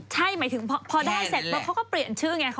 ใช่หมายถึงพอได้เสร็จปุ๊บเขาก็เปลี่ยนชื่อไง